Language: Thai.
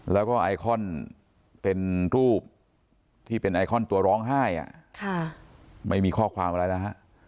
แล้วก็ไอคอนเป็นรูปที่เป็นไอคอนตัวร้องไห้ไม่มีข้อความอะไรแล้วฮะ